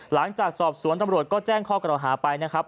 หลังจากสอบสวนตำรวจก็แจ้งข้อกล่าวหาไปนะครับ